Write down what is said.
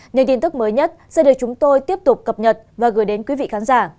những tin tức mới nhất sẽ được chúng tôi tiếp tục cập nhật và gửi đến quý vị khán giả